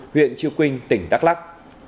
huyện triều quynh tỉnh đắk lắc